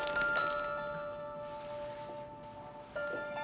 ya ma aku ngerti